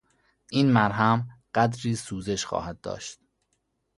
این مرهم قدری سوزش خواهد داشت.